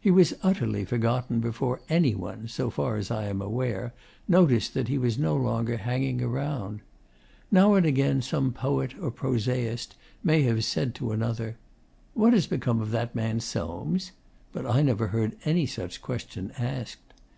He was utterly forgotten before any one, so far as I am aware, noticed that he was no longer hanging around. Now and again some poet or prosaist may have said to another, 'What has become of that man Soames?' but I never heard any such question asked.